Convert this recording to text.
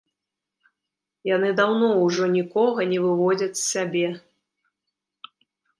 Яны даўно ўжо нікога не выводзяць з сябе.